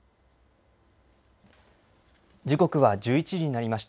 時刻は１１時になりました。